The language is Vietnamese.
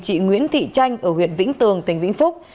chị nguyễn thị tranh ở huyện vĩnh tường tỉnh vĩnh phúc